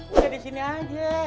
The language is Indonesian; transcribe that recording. udah di sini aja